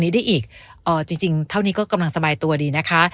ได้อีกจริงเท่านี้ก็กำลังสบายตัวดีนะคะ